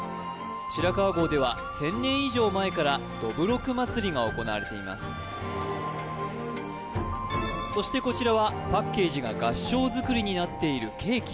白川郷では１０００年以上前からどぶろく祭が行われていますそしてこちらはパッケージが合掌造りになっているケーキ